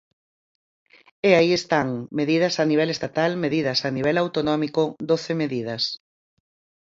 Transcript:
E aí están: medidas a nivel estatal, medidas a nivel autonómico, doce medidas.